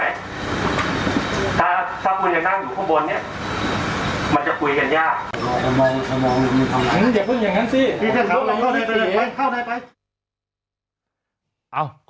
ถ้าคุณจะนั่งอยู่ข้างบนเนี่ยมันจะคุยกันยาก